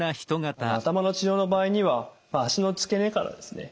頭の治療の場合には脚の付け根からですね